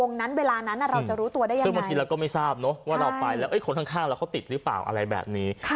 คนข้างเราเขาติดหรือเปล่าอะไรแบบนี้